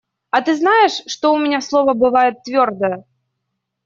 А ты знаешь, что у меня слово бывает твердое?